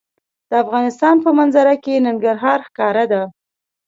د افغانستان په منظره کې ننګرهار ښکاره ده.